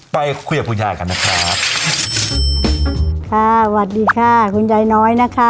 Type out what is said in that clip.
ไปคุยกับคุณยายกันนะครับค่ะสวัสดีค่ะคุณยายน้อยนะคะ